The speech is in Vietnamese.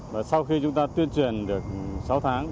và sau khi chúng ta tuyên truyền được sáu tháng